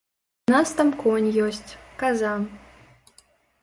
У нас там конь ёсць, каза.